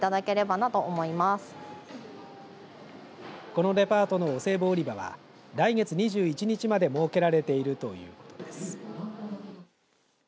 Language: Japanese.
このデパートのお歳暮売り場は来月２１日まで設けられているということです。